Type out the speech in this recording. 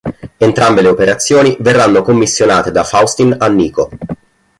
Entrambe le operazioni verranno commissionate da Faustin a Niko.